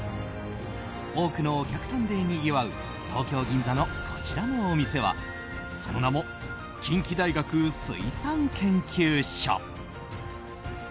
多くのお客さんでにぎわう東京・銀座のこちらのお店はその名も近畿大学水産研究所。